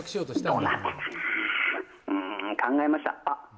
うーん考えましたあ！